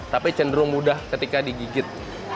tapi cenderung mudah ketika digigit